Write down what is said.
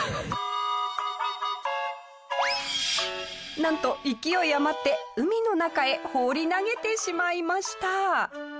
なんと勢い余って海の中へ放り投げてしまいました。